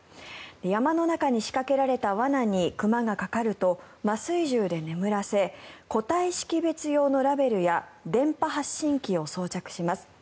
山の中に仕掛けられた罠に熊がかかると麻酔銃で眠らせ個体識別用のラベルや電波発信機を装着します。